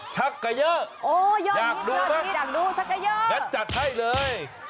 ชักกะเยอะอยากดูปะจัดให้เลย